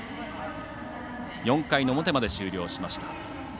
４回の表まで終了しました。